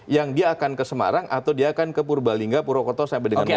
yang dia akan ke semarang atau dia akan ke purbalingga purwokerto sampai dengan semarang